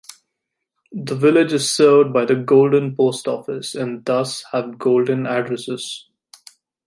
The village is served by the Golden Post Office and thus have Golden addresses.